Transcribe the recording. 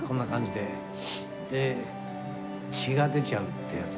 で、血が出ちゃうってやつ。